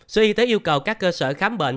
sở y tế yêu cầu các cơ sở khám bệnh